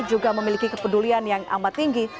juga memiliki kepedulian yang amat tinggi